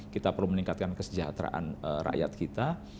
kita perlu meningkatkan kesejahteraan rakyat kita